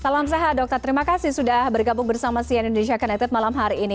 salam sehat dokter terima kasih sudah bergabung bersama cn indonesia connected malam hari ini